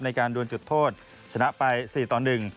ในการดูดจุดโทษชนะไปสี่ต่อหนึ่ง